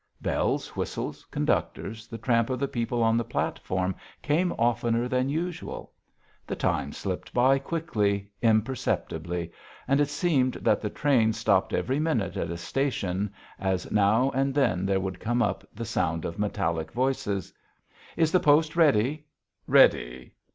Bells, whistles, conductors, the tramp of the people on the platforms came oftener than usual. The time slipped by quickly, imperceptibly, and it seemed that the train stopped every minute at a station as now and then there would come up the sound of metallic voices: "Is the post ready?" "Ready."